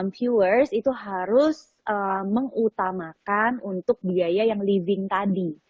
viewers itu harus mengutamakan untuk biaya yang living tadi